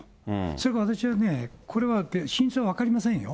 それか私はね、これは真相は分かりませんよ。